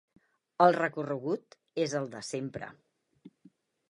El recorregut és el de sempre.